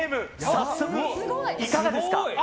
早速いかがですか？